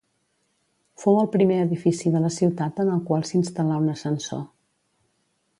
Fou el primer edifici de la ciutat en el qual s'instal·là un ascensor.